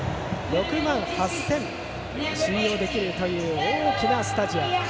６万８０００人収容できるという大きなスタジアム。